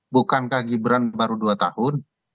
bukankah gibran baru dua tahun